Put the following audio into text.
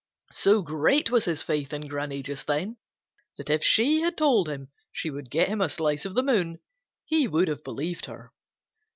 So great was his faith in Granny just then that if she had told him she would get him a slice of the moon he would have believed her.